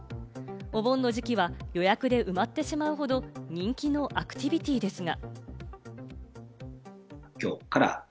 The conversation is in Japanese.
お盆の時期は予約で埋まってしまうほど人気のアクティビティですが。